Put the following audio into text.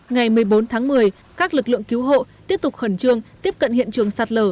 ngày một mươi bốn tháng một mươi các lực lượng cứu hộ tiếp tục khẩn trương tiếp cận hiện trường sạt lở